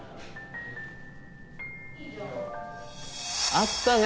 あったね